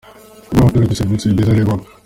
guha abaturage serivise nziza ni ngombwa.